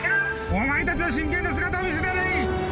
・お前たちの真剣な姿を見せてやれ！